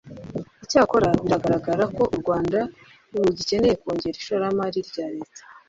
icyakora, biragaragara ko u rwanda rugikeneye kongera ishoramari rya leta